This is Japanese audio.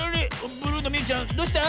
ブルーのみゆちゃんどうした？